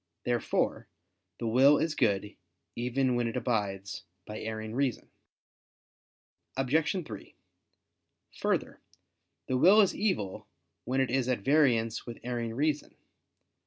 Therefore the will is good, even when it abides by erring reason. Obj. 3: Further, the will is evil when it is at variance with erring reason.